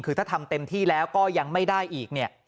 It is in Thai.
คือถ้าทำเต็มที่แล้วก็ยังไม่ได้อีกเนี่ย